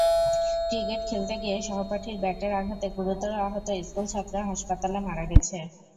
Cricket খেলতে গিয়ে সহপাঠীর ব্যাটের আঘাতে গুরুতর আহত স্কুলছাত্র হাসপাতালে মারা গেছে।